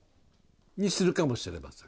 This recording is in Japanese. にするかもしれません。